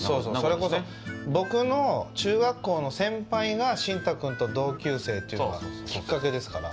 それこそ、僕の中学校の先輩が真太君と同級生というのがきっかけですから。